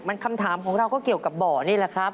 มันคำถามของเราก็เกี่ยวกับบ่อนี่แหละครับ